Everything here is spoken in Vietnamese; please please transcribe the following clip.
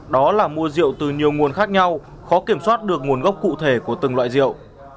đó là mua rượu từ nhiều nguồn khác nhau khó kiểm soát được nguồn gốc cụ thể của từng loại rượu